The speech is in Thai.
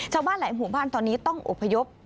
ชาวบ้านหลายหมู่บ้านตอนนี้ต้องอบพยพ